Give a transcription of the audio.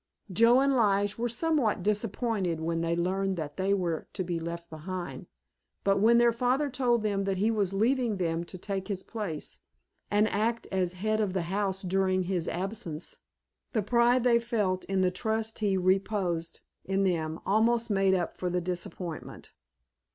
Joe and Lige were somewhat disappointed when they learned that they were to be left behind, but when their father told them that he was leaving them to take his place and act as the head of the house during his absence the pride they felt in the trust he reposed in them almost made up for the disappointment.